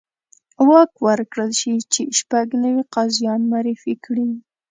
واک ورکړل شي چې شپږ نوي قاضیان معرفي کړي.